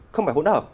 không phải hỗn hợp